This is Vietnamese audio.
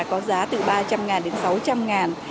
có giá từ ba trăm linh đến sáu trăm linh